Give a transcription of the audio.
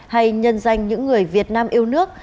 hay nhân danh những người việt nam yêu nước